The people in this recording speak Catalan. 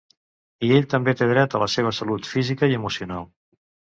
I ell també té dret a la seva salut física i emocional.